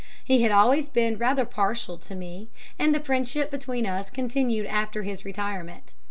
He had always been rather partial to me, and the friendship between us continued after his retirement.